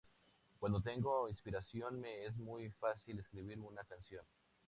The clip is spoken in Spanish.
Cuando tengo inspiración me es muy fácil escribir una canción.